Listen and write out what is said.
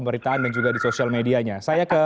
pemberitaan dan juga di sosial medianya saya ke